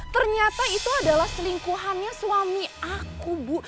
ternyata itu adalah selingkuhannya suami aku bu